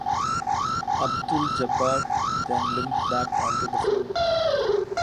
Abdul-Jabbar then limped back onto the floor.